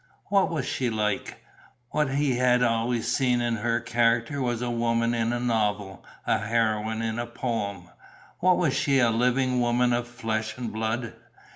What was she like? What he had always seen in her character was a woman in a novel, a heroine in a poem. What was she as a living woman of flesh and blood?